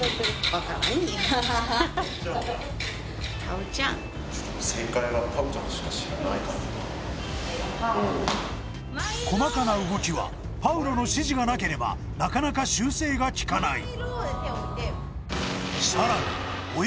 パウちゃん細かな動きはパウロの指示がなければなかなか修正がきかない